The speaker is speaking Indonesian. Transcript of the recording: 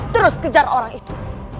terus kejar orang itu